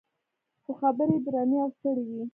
خو خبرې یې درنې او ستړې وې.